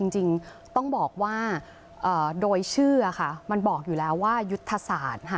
จริงต้องบอกว่าโดยชื่อค่ะมันบอกอยู่แล้วว่ายุทธศาสตร์